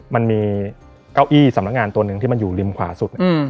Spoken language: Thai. มันมีเก้าอี้สำนักงานตัวหนึ่งที่มันอยู่ริมขวาสุด